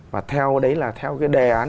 và theo đấy là theo cái đề án